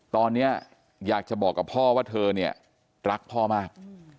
ตอนนี้อยากจะบอกกับพ่อว่าเธอเนี่ยรักพ่อมาก